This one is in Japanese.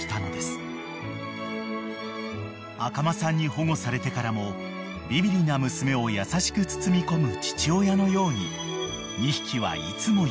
［赤間さんに保護されてからもビビりな娘を優しく包み込む父親のように２匹は］